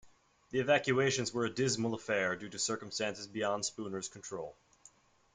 The evacuations were a dismal affair due to circumstances beyond Spooner's control.